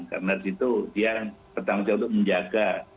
karena di situ dia bertanggung jawab untuk menjaga